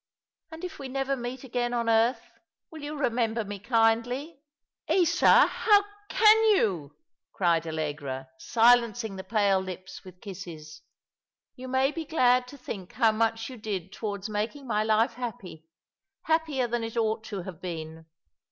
" And if we never meet again on earth — will you remember me kindly?" " Isa, how can yon ?" cried AUegra, silencing the pale lips with kisses. " You may be glad to think how much you did towards making my life happy — happier than it ought to have been."